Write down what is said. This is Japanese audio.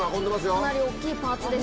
いきなり大きいパーツです。